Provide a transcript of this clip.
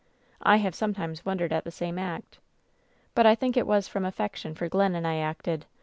I have sometimes wondered at the same act. But I think it was from affection for Glennon I acted.